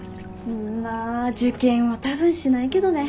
まあ受験はたぶんしないけどね。